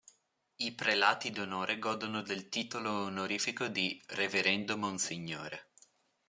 I prelati d'onore godono del titolo onorifico di "Reverendo Monsignore".